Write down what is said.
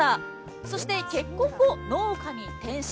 そして、結婚後、農家に転身。